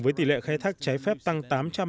với tỷ lệ khai thác trái phép tăng tám trăm bảy mươi